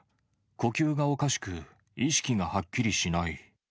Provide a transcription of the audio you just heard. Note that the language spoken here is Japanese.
呼吸がおかしく、意識がはっきりしない。